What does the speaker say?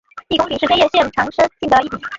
一宫町是千叶县长生郡的一町。